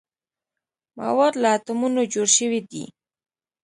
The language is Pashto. مواد له اتومونو جوړ شوي دي.